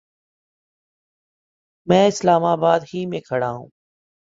میں اسلام آباد ہی میں کھڑا ہوں